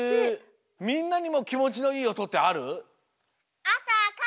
みんなにもきもちのいいおとってある？